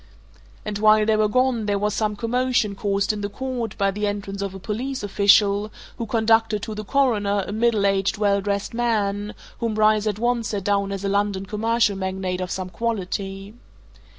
And while they were gone there was some commotion caused in the court by the entrance of a police official who conducted to the Coroner a middle aged, well dressed man whom Bryce at once set down as a London commercial magnate of some quality.